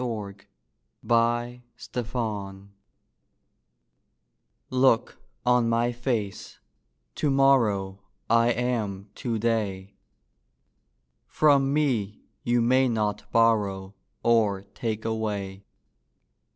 ON A DIAL Look on my face: to morrow I am to day. From me you may not borrow Or take away.